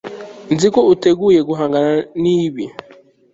nzi ko utiteguye guhangana nibi